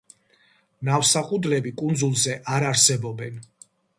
ნავსაყუდლები კუნძულზე არ არსებობენ.